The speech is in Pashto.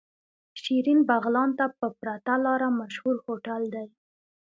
شيرين بغلان ته په پرته لاره مشهور هوټل دی.